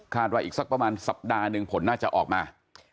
ว่าอีกสักประมาณสัปดาห์หนึ่งผลน่าจะออกมา